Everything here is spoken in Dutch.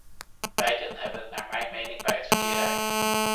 Beiden hebben het naar mijn mening bij het verkeerde eind.